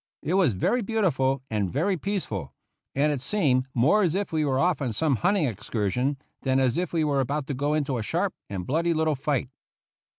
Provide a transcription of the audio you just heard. It was very beautiful and very peaceful, and it seemed more as if we were off on some hunting excursion than as if were about to go into a sharp and bloody little fight.